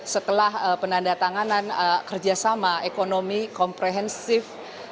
setelah penandatanganan kerjasama ekonomi komprehensif